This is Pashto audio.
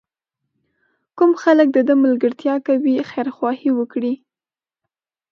کوم خلک د ده ملګرتیا کوي خیرخواهي وکړي.